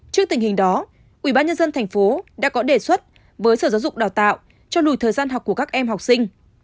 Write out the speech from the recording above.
trước tình hình đó ủy ban nhân dân thành phố đã có đề xuất với sở giáo dục đào tạo cho lùi thời gian học của các em học sinh